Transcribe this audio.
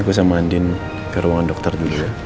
aku sama andien ke ruangan dokter dulu ya